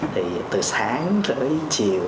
thì từ sáng tới chiều